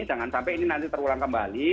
jangan sampai ini nanti terulang kembali